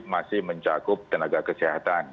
masih mencakup tenaga kesehatan